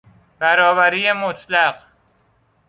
برابری مطلق